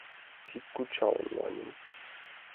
Кид кучалын маньым